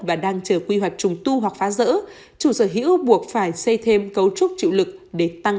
và đang chờ quy hoạch trùng tu hoặc phá rỡ chủ sở hữu buộc phải xây thêm cấu trúc chịu lực để tăng